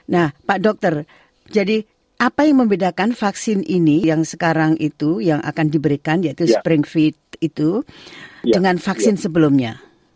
nah pak dokter jadi apa yang membedakan vaksin ini yang sekarang itu yang akan diberikan yaitu sprint fit itu dengan vaksin sebelumnya